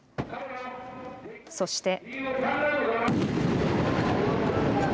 そして。